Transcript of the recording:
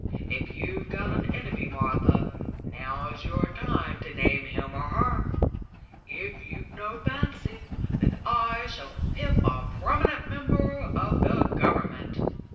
If you've got an enemy, Martha, now's your time to name him or her. If you've no fancy, then I shall pip a prominent member of the Government."